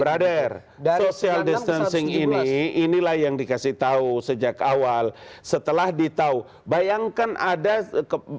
beradar social distancing ini inilah yang dikasih tahu sejak awal setelah ditahu bayangkan ada